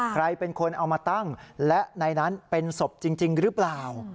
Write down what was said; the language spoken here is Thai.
ใครเป็นคนเอามาตั้งและในนั้นเป็นศพจริงหรือเปล่า